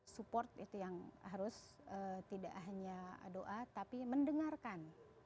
support itu yang harus tidak hanya doa tapi mendengarkan